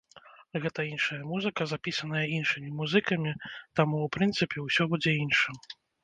Гэта іншая музыка, запісаная іншымі музыкамі, таму, у прынцыпе, усё будзе іншым.